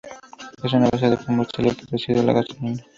Es una base de combustible parecido a la gasolina.